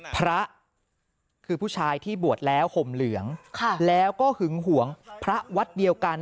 พระคือผู้ชายที่บวชแล้วห่มเหลืองแล้วก็หึงหวงพระวัดเดียวกัน